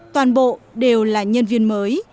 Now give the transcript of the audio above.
toàn bộ đều là nhân viên mới